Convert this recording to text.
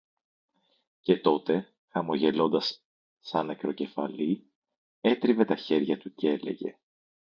Και τότε, χαμογελώντας σα νεκροκεφαλή, έτριβε τα χέρια του κι έλεγε: